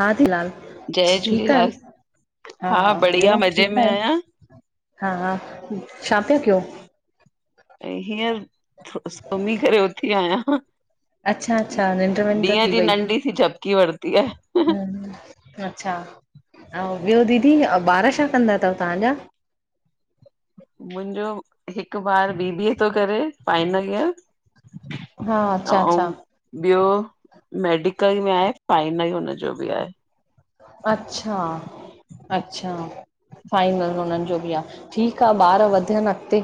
हाथीलाल! जय ठीकु झूलेलाल, आयो? हा बढ़िया ॿियो मज़े ठीकु में आहियो, आहियां हा हा छा पया कयो? ए हींअर सुम्ही करे, उथी आयां। अच्छा अच्छा निंड विंड ॾींहुं थी जी वई। नंढी सी झपकी वरती आहे। अच्छा अऊं, ॿियो दीदी ॿारि छा कंदा तव तव्हांजा? मुंहिंजो हिकु ॿारि बीबीए तो करे फाइनल ईयर। हा त अच्छा आउं अच्छा ॿियो मेडिकल में आहे, फाइनल हुनजो बि आहे। अच्छा अच्छा। फाइनल हुननि जो बि आ, ठीकु आ ॿारि वधनि अॻिते।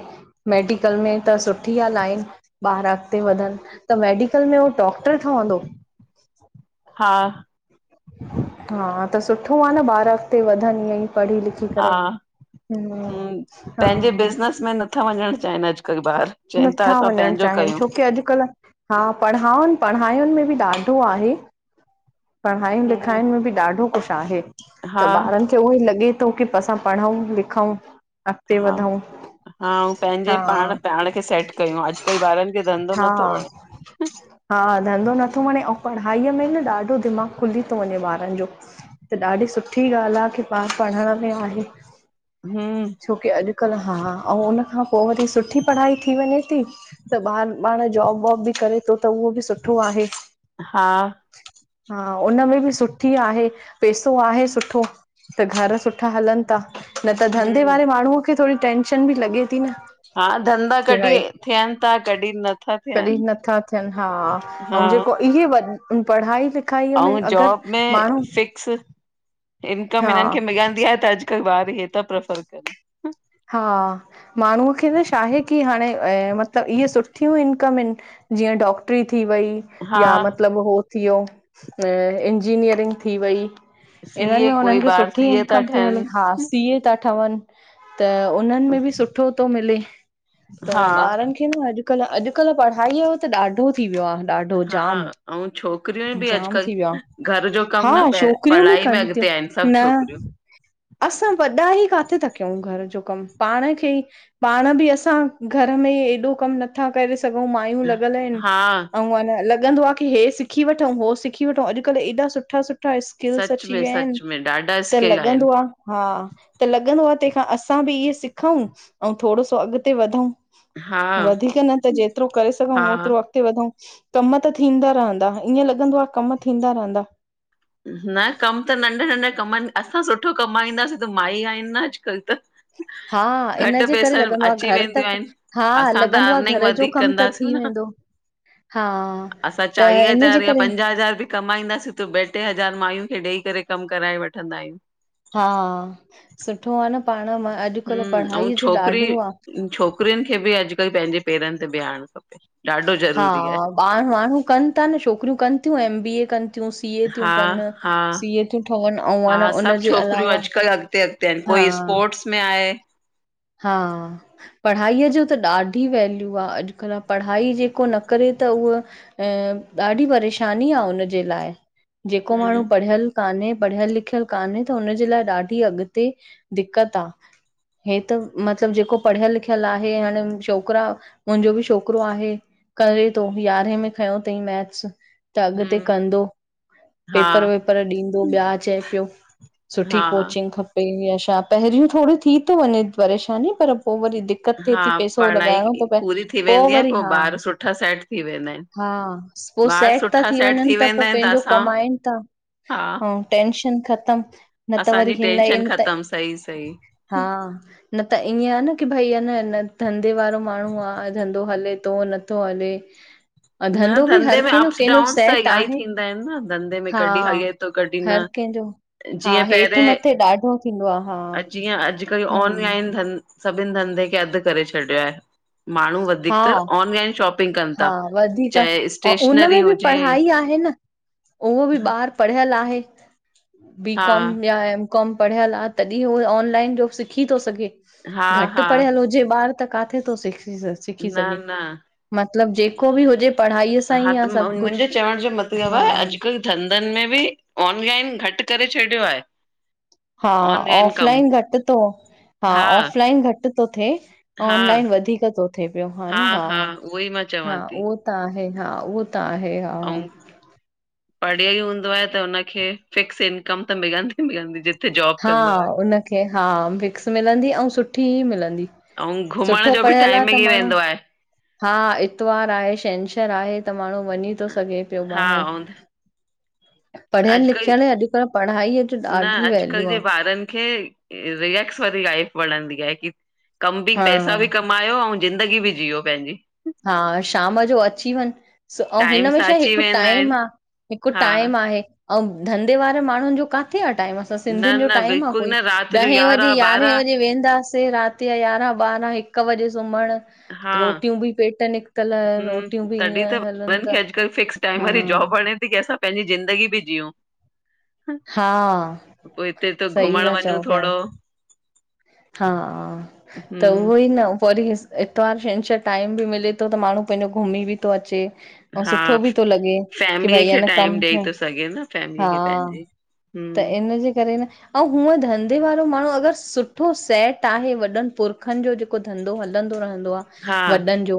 मेडिकल में त सुठी आ लाइन। ॿारि अॻिते वधनि, त मेडिकल में हो डॉक्टर ठवंदो? हा हा त सुठो आ न, ॿारि अॻते वधनि ईअं ई पढ़ी लिखी हा करे। ह हम्म हा पंहिंजे बिज़नेस में नथा वञंणु चाहिन अॼुकल्ह ॿारि। नत्था वञंणु चाहिन, छोकी अॼुकल्ह हा, पढ़ावनि पढ़ाइनि में बि ॾाढो आहे। पढ़ायूं हम्म लिखायिन में बि ॾाढो कुछ आहे, हा त ॿारनि त उहो लॻे तो की, असां पढऊं- लिखऊं अॻिते हा वधऊं। हा उ पंहिंजे पाणु- पाणु खे सैट कयूं, अॼुकल्ह ॿारनि खे धंधो हा नत्थो वणे। हा धंधो नथो वणे, ओं पढ़ाईअ में न ॾाढो दिमाग खुली तो वञे ॿारनि जो, त ॾाढी सुठी ॻाल्ह आ की। ॿार पढ़णु में आहे। हम्म, छोकी अॼुकल हा, अऊं उनखां पोइ वरी सुठी पढ़ाई थीं वञे ती। त ॿारि पाणु जॉब -वॉब बि करे थो त उहो भी सुठो आहे। हा हा हुनमें बि सुठी आहे, पेसो आहे सुठो। त घरु सुठा हलनि ता, न त धंधे हम्म। वारे माणु खे थोडी टेंशन भी लॻे ती न? हा धंधा की कॾि भाई थियनि ता, कॾि नत्था कॾहिं थियनि, नथा थियनि हा हा। ऐं जेको इहे वॾी पढ़ाई लि अऊं जॉब में फिक्स इन्कम हा हिननि खे मिलंदी आहे अॼु। कल ॿार हे त प्रैफर कनि। हा माणु खे न शाहे की हाणे मतिलबु, इहे सुठियूं इन्कम ऐन। जीअं डॉक्टरी थी वई। हा या मतिलबु हो थिवयो, इंजीनियरिंग थी वई। इन्हनि सीए में कोई हुननि खे ॿार सुठी सीए था इन्कम थी मिले ठहनि ख़ास। सीए ता ठहवनि त, उन्हनि में भी सुठो तो मिले। त हा। ॿारनि खे न अॼुकल-अॼुकल पढ़ाईअ जो त ॾाढो थी वियो आ। ॾाढो हा अऊं छोकिरियूं बि जामु-जामु अॼुकल्ह थी वियो आ। घर जो कमु न हा प शोक करियूं भी पढ़ाई में कंतियुं, अॻिते आहिनि सभु न छोकिरियूं। असां वॾा ई काथे ता कयिऊं घरु जो कमु, पाणि खे- पाणि भी असां घरु में एॾो कम नथा करे सघ सॻऊं, माइयूं लॻिल ऐन, हा अऊं अन लॻंदो आ की, हे सिखी वठूऊं-हो सिखी वठूऊं। अॼुकल एॾा सुठा- सुठा सुठा स्किल्स सच अची में विया आहिन, सच में ॾाढा त स्किल आहिनि लॻंदो आ। हा त लॻंदो आ, तेखां असां भी इअं सिखऊं, अऊं थोड़ो सो अॻते वधऊं। हा वधीक न त जेतिरो करे सघूऊं हा। ओतिरो ॻते वधऊं, कमु त थींदा रहंदा ईअं लॻंदो आ, कमु थींदा रहंदा। न कमु त नंढा नंढा कमनि, असां सुठो कमाईंदासं त माई आहिन न अॼुकल त। हा इन घटि जे करे पैसनि लॻंदो आ, अची घरु वेंदियूं तक आहिनि हा असां त लॻंदो आ, अर्निंग घरु जो वधीक कमु त कंदासीं थी न वेंदो हा, त इन जे करे कमाईंदासी त ॿ टे हज़ार, माइयूं खे ॾेई करे कमु कराए वठंदा आहियूं। हा सुठो आ न, पाणु मा अॼुकल्ह पढ़ाईअ जो ॾाढो आ। छोकिरियिन खे बि अॼुकल्ह, पंहिंजे पेरनि ते बिहारणु खपे। ॾाढो हा ज़रूरी आहे ॿाएर माणु कनि तां न, शोकिरियूं कनि तियूं एम बीए कनि तियूं, सीए तियूं हा कनि, हा सीए थियूं ठहनि ऐं उन जे अलावा तंहिं कोई हा स्पोर्ट्स में आहे। हा। पढ़ाईअ जो त ॾाढी वैल्यू आ अॼुकल पढ़ाई जेको न करे त उह अ ॾाढी परेशानी आ उनजे लाइ जेको माण्हू हम्म पढ़ियल काने पढ़ियल लिखियलु काने त हुनजे लाइ ॾाढी अॻते दिक़त आ। हे त मतलब जेको पढ़ियल लिखियल आहे हाणे छोकरा मुंहिंजो भी छोकरो आहे। करे तो, यारहें में खयों थईं मैथ्स। त अॻते हम्म कंदो हा पेपर वेपर ॾींदो ॿिया चए पियो। सुठी हा कोचिंग खपे या छा। पहिरी थोडी थो वञे परेशानी पर पो वरी दिक़त थिए हा थी पैसो लॻाइणो थो पढ़ाई पए पूरी थी पो वेंदी आहे वरी हा। ॿार सुठा सेट थी वेंदा आहिनि। हा पो ॿार सेट था सुठा थी सेट वञनि त वेंदा पोइ आहिनि पंहिंजो असां कमाइन था। हा। ऐं टेंशन ख़तम न त वरी असांजी हिन ई टेंशन त ख़तम सही सही। हा न त ईअं आ न की भई अन हिन धंधे वारो माण्हु आ धंधो हले थो नथो हले ऐं न धंधो भी हर धंधे में कंहिंजो अप्स कंहिंजो डाउन्स त सेट इलाही आहे। थींदा आहिनि न धंधे में हा। कॾहिं हले थो कॾहिं हर न। कंहिंजो, हा जीअं हेठ पहिरें मथे ॾाढो थींदो आ हा। अ- जीअं अॼकल्ह हम्म ऑनलाइन धं सभिनि धंधे खे अध करे छॾिया आए। माण्हू हा वधीकतर ऑनलाइन शॉपिंग कन हा ता। वधीक ऐं उनमें बि पढ़ाई आहे न उहो बि ॿार पढ़ियल आहे ब हा कॉम या एम कॉम पढ़ियल आ तॾीं हो ऑनलाइन जो ब सिखी तो सघे हा घट हा पढ़ियल जे ॿार त किथे थो सिख सिखी न सघे, न मतलब जेको बि हुजे पढ़ाई हा त मुंहिंजे चवण जो मतिलब आ अॼुकल धंधन में बि ऑनलाइन घट करे छॾियो आहे। हा ऑनलाइन कमु ऑफलाइन घट तो हा ऑफलाइन घट थो थिए। हा ऑनलाइन वधीक थो थिए पियो हा न हा। उहो ई मां चवां हा थी उहो त आहे हा उहो त आहे हा। ऐं पढ़ियल हूंदो आए त हुनखे फिक्स इनकम त मिलंदी मिलंदी जित हा हुनखे हा, फिक्स मिलंदी अऊं सुठी ई मिलंदी। अऊं घुमण सुठो जो बि पढ़ियल टाइम आ त मिली माण्हू वेंदो आहे। हा इतवार आहे छंछरु आहे त माण्हू वञी थो सघे पियो हा ऐं ॿाहिरि। पढ़ियल अॼुकल्ह लिखियल अॼुकल्ह पढ़ाईअ जी ॾाढी वैल्यू आ। ॿारन खे रियेक्स वारी लाइफ वणंदी आये की काम भी हा पैसा कम कमायो ऐं ज़िंदगी बि जीओ पंहिंजी। हा शाम जो अची वञ ऐं टाइम हिनमें सां छा अची हिकु वेंदा टाइम आहिनि आह हिकु हा टाइम आहे। अऊं धंदे वारे माण्हुन जो किथे आ टाइम? त न सिंधियुन जो न टाइम आ बिल्कुलु कोई? न राति जो ॾहे बजे यारहां यारहें ॿारहां बजे वेंदास। ते रात जा यारहां ॿारहां हिक बजे सुम्हण रोटियूं बि पेट निकितल रोटियूं हूं बि तॾीं ईअं हलनि ॿियनि खे त अज कल फिक्स टाइम हा वारी जॉब वार असां पंहिंजी ज़िंदगी बि जिऊं। हा पोइ हिते त सही घुमण था वञू चओ पिया। थोड़ो। हा त उहो ई न वरी इतवार- छंछरु टाइम बि मिले थो त माण्हू पंहिंजो घुमी बि थो अचे ऐं हा सुठो बि थो लॻे की फैमिलीअ भई आहे खे न टाइम कम ॾेई थिए, थो सघे न फैमिली हा खे पंहिंजी त हम्म इन जे करे न ऐं हूंअ धंधे वारो माण्हू अगर सुठो सेट आहे, वॾन पुरखन जो जेको त धंधो हलंदो रहंदो आह। हा वॾन जो,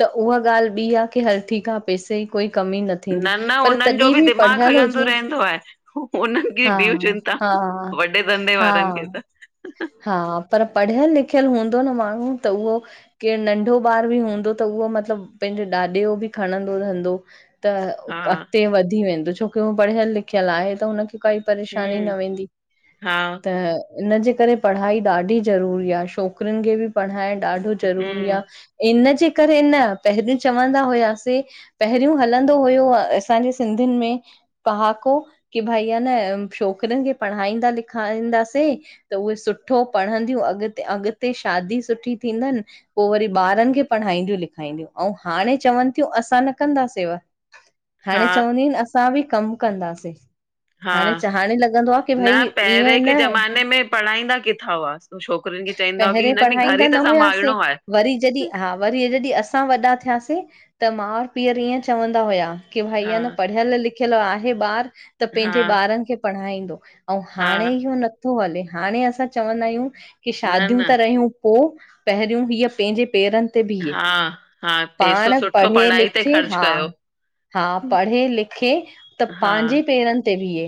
त उहा ॻाल्ह ॿी आहे की हल ठीक आहे पैसे ई कोई कमी न थींदी, पर तॾहिं बि पढ़ियल हुजे हदो आहे [unintelligible] हू होन हा हा धंधे हा वारनि खे त हा पर पढ़ियल लिखियल हूंदो न माण्हू त उहो केरु नंढो ॿार बि हूंदो त उहो मतलबु पंहिंजे ॾाॾे यो बि खणंदो धंधो। त हा अॻते वधी वेंदो, छोकि हू पढ़ियलु लिखियलु आहे त हुनखे काई परेशानी न हम्म वेंदी हा त इनजे करे पढ़ाई ॾाढी ज़रूरी आहे। छोकिरियुन खे बि पढ़ाइण ॾाढो ज़रूरी हम्म आहे। इन जे करे न पहिरीं चवंदा हुया से पहिरियों हलंदो हुयो असांजे सिंधियुन में पहाको की भई या‌ न छोकिरियिन खे पढ़ाईंदा लिखाईंदासे त उहे सुठो पढ़ंदियूं अॻते अॻते शादी सुठी थींदनि। पो वरी ॿारन खे पढ़ाईंदियूं- लिखाईंदियूं, हाणे चवनि थियूं असां न कंदासींव। [inaudible] हाणे चवंदियूं आहिनि असां बी कम कंदासीं। हा हाणे च हाणे लॻंदो आह कि न भई इअं पहिरें के न ज़माने में पढ़ाईंदा किथां हुआ छोकिरियुनि खे चईंदा हुआ की पहिरियें हिन में घर पढ़ाईंदा ई न त हुआसीं संभालणो आहे। वरी जॾहिं हाँ वरी जॾहिं असां वॾा थियासें त माउर पीउर ईअं चवंदा हुया कि भई हा हन पढ़ियल लिखियल आहे ॿारु, त पंहिंजे हा ॿारन खे पढ़ाईंदो। ऐं हा हाणे इहो नथो हले, हाणे असां चवंदा आहियूं की न शादियूं त न रहियूं पोइ पहिरियों हीअ पेहिंजे पेरनि ते बीहे, हा हा पैसो पाण सुठो पढ़े पढ़ाई ते लिखे ख़र्च हा कयो। हा पढ़े लिखे त हा पहांजे पेर ते बीहे,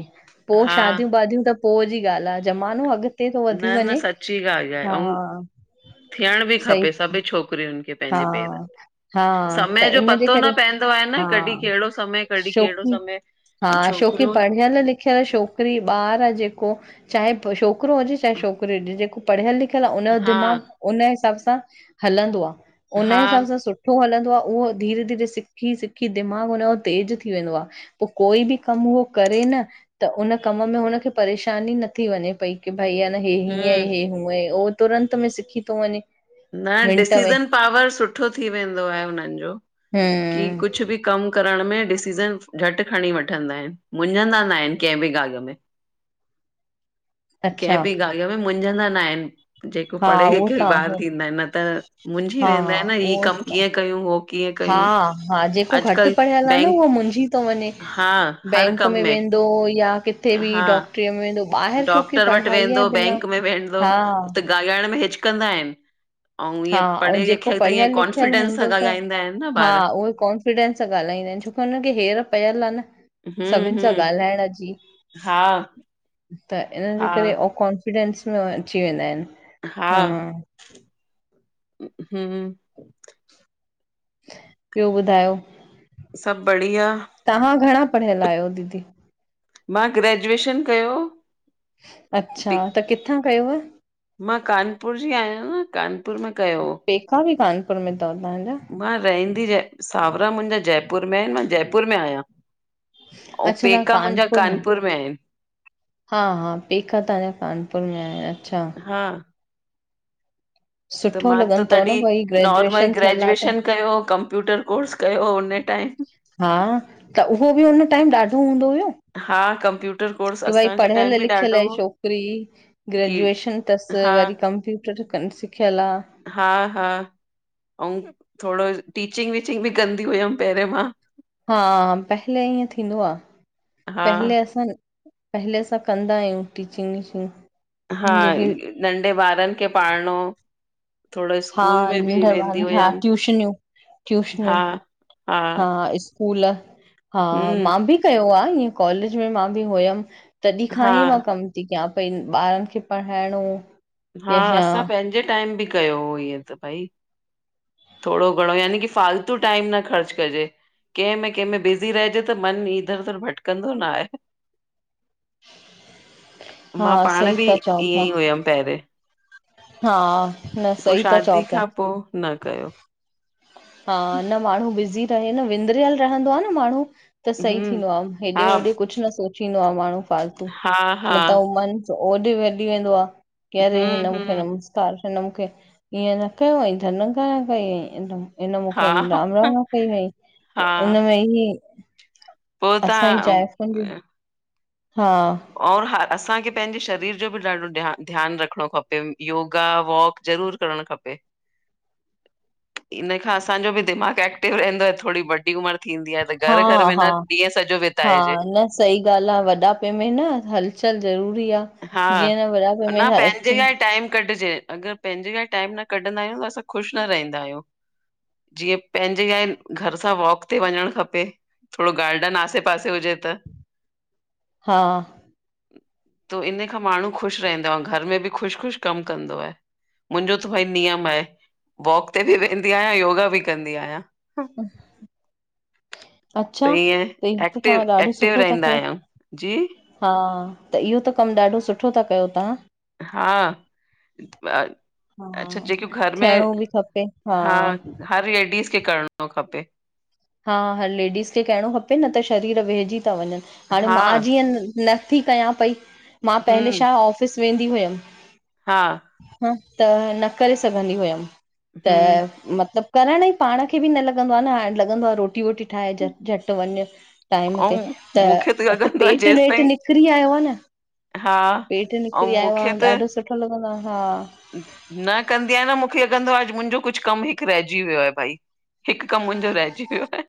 पोइ हा शादियूं वादियूं त पोइ जी ॻाल्हि आहे ज़मानो अॻत् न न सची ॻाल्हि आहे। ऐं थियण बि सही खपे सभी छोकिरियुनि खे। हा पंहिंजे पेरन ते, हा त समय जो इनजे पतो करे न पवंदो आहे न हा कॾहिं कहिड़ो समय- कॾहिं कहिड़ो छोकी समय। हा शो छोकिरियूं तां जा न कि ख्यल छोकिरी ॿारु आहे जेको, चाहे छोकिरो हुजे चाहे छोकिरी हुजे को पढ़ियल लिखियल आहे हुन जो हा दिमाग़ु हुन हिसाब सां हलंदो आहे हुन जे हा हिसाब सां सुठो सुठो हलंदो आहे उहो धीरे- धीरे सिखी- सिखी दिमाग़ु हुनजो तेज़ थी वेंदो आहे। पोइ कोई बि कमु उहो करे न, त उन कम में हुनखे परेशानी न थी वञे पई। की भई आहे न हे हीअं आ हम्म हे हूंअ। हो तुरंत में सिखी थो वञे न मिंट में डिसीज़न पावर सुठो थी वेंदो आहे हुननि जो, की हम्म कुझु बि कम करण में डिसीज़न झटि खणी वठंदा आहिनि। मुंझंदा न आहिनि कंहिं बि ॻाल्हि में कंहिं अच्छा बि ॻाल्हि में ई मुझंदा न आहिनि जेको हा पढ़े लि उहो त कई ॿारु आहे थींदा आहिनि न त मुझी हा वेंदा आहिनि न ही कम उहो कीअं कयूं हो। कीअं हा कयूं हा जेको घटि अॼुकल्ह पढ़ियल आहे न बैंक उहो मुंझी थो वञे हा हर बैंक कम में वे पो या किथे बि, हा डाक्टरीअ में ॿाहिरि छोकी डॉक्टर वटि पढ़ाईअ जे वेंदो, बिना बैंक में वेंदो हा त गाल्हाइण में हिचिकंदा आहिनि। ऐं हा ईअं ऐं पढ़े जेको लिखियल त ईअं पढ़ियल कॉन्फिडेंस सां ॻाल्हाईंदा आहिनि न ॿार। उह कोन [unintelligible] फिडेंस सां ॻाल्हाईंदा आहिनि, छोकी हुन खे हेर पयल आहे न सभिनि हम्म सां हम्म ॻाल्हाइण जी हा त इन्हनि जे हा करे अकाउं [unintelligible] कोन्फिडेंस में अची वेंदा आहिनि। हा हम् ॿियो ॿुधायो सभु बढ़िया तहां घणा पढ़ियल आहियो दीदी? मां ग्रेजुएशन कयो। अच्छा बि त किथां कयव। मां कानपुर जी आहियां न कानपुर मां कयो हो। पेका बि कानपुर में अथव तव्हांजा मां रहंदी जय सावरा मुंहिंजा जयपुर में आहिनि मां जयपुर में आहियां। अऊं अच्छा तव्हां पेका मुंहिंजा मां कानपुर में आहिनि। हा हा पेका तहां जा कानपुर में आहे। अच्छा हा त सुठो मां त लॻनि अथव न तॾहिं भई नॉर्मल ग्रेजुएशन थियल आहे त ग्रेजुएशन कयो, कंप्यूटर कोर्स कयो हुन टाइम हा त, उहो बि हुन टाइम ॾाढो हूंदो हुयो। हा कंप्यू की भई पढियल लिखियल छोकरी की ग्रेजुएशन थसि, हा वरी कंप्यूटर जो कमु सिखियल आ। हा- हा, ऐं थोङो टीचिंग- वीचिंग बि कंदी हुअमि पहिंरिंयों मां। हा पहले ईअं थींदो आ, हा पहले असां पहले असां कंदा आहियूं, टीचिंग- वीचिंग। हा नंढे ॿारनि खे पाढ़णो थोरो हा स्कूल में बि नंढा ॿार, वेंदी हा हुयमि, ट्यूशनियूं ट्यूशनियूं हा हा स्कूल हा हम्म, मां बि कयो आहे, ईअं कॉलेज में मां बि हुयमि तॾहिं खां हा ई मां कम थी कयां पई ॿारनि खे पढ़ाइण यो हा असां पंहिंजे टाइम बि कयो हो इअं त भई थोड़ो घणो यानि की फालतू टाइम न ख़र्च कजे। कंहिंमें- कंहिंमें बिज़ी रहिजे त मन ईधर- उधर भटकंदो न आहे। हा मां पाण सही बि था चओ ईअं पिया ई हुयमि पहिरिये। हा न पोइ सही था चओ शादी पिया खां पोइ न कयो। हा न माण्हू बिज़ी रहे न, विंदरियल रहंदो आहे न माण्हू। त सही हम्म, थींदो आहे, हेॾे हा होॾे कुछ न सोचींदो आहे माण्हू फालतू हा हा, न त मन ओॾे वॼी वेंदो आहे कि अरे हम्म हम्म, हिननि सां हिन मूंखे ईअं न कयो आई धनग कई आई [unintelligible] हिनन हा मूंखे राम राम न कई हुई इन हा, में ई [unintelligible] पो असांजी ॼायफुनि तव्हां जी, हा और हा असांखे पंहिंजे शरीर जो बि ॾाढो ध्या ध्यानु रखणो खपे, योगा वॉक ज़रूर करणु खपे इन खां असांजो बि दिमाग़ एक्टिव रहंदो आहे, थोड़ी वडी उमरि थींदी आहे त हा घर घर में हा न ॾींहं सॼो हा बिताइजे। न सही ॻाल्हि आ। वॾापे में न हलचल ज़रूरी आह। हा। न पंहिंजे लाइ टाइम कढिजे अगरि। पंहिंजे लाइ टाइम न कढंदा आहियूं। असां ख़ुशि न रहंदा आहियूं। जीअं पंहिंजे लाइ घर सां वॉक ते वञण खपे। थोरो गार्डन आसे पासे हुजे त। हा। त इन खां माण्हू ख़ुशि रहंदो आ। घर में बि ख़ुशि ख़ुशि कमु कंदो आ। मुंहिंजो त भई नियम आहे वॉक ते बि वेंदी आहियां। योगा बि कंदी आहियां। [inaudible] त अच्छा। ईअं हे त तव्हां एक्टिव ॾाढो एक्टिव सुठो था रहंदा कयो। आहियूं जी हा। त इहो त कमु ॾाढो सुठो था कयो तव्हां। हा। अच्छा। हा जेकियू घर में, थियणो बि खपे हा। हर लेडीस खे करणो थो खपे। हा। हर लेडीस खे कणो खपे न त शरीर वेहिजी था वञनि। हाणे हा मां जीअं। नथी कयां पई। मां पहले हम्म छा ऑफ़िस वेंदी हुयमि। हा। हा। त न करे सघंदी हुयमि। हम्म त मतलब। करण ई पाण खे बि न लॻंदो आ न। हाणे लॻंदो आ। रोटी वोटी ठाहे झट झटि वञु। टाइम ते। ऐं त, मूंखे त, लॻंदो आहे पेटु जेसि वेट ताईं निकिरी आयो आ न। हा पेट् ऐं निकिरी आयो आ। मूंखे त ॾाढो सुठो लॻंदो आ। हा। न कंदी आहियां न मूंखे लॻंदो आहे। अॼु मुंहिंजो कुझु कमु हिकु रहिजी वियो आहे भाई। हिकु कमु मुंहिंजो रहिजी वियो आहे।